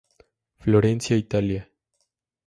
Florencia, Italia.